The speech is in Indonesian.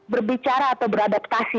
berbicara atau beradaptasi